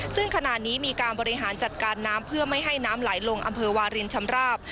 ซึ่งขณะนี้มีการบริหารจัดการน้ำเพื่อไม่ให้น้ำไหลลงอำเภอวารินชำราบ